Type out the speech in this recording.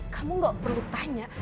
kamu nggak perlu tanya